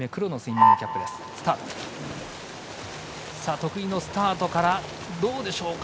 得意のスタートからどうでしょうか。